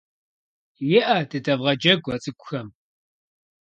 ИӀэ дадэвгъэджэгу а цӀыкӀухэм